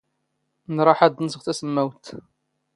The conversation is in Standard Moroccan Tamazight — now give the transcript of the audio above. ⵏⵕⴰⵃ ⴰⴷ ⴷ ⵏⵙⵖ ⵜⴰⵙⵎⵎⴰⵡⴷⵜ.